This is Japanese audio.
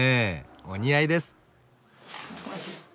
お似合いです。